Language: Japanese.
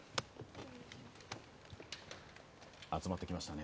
集まってきましたね。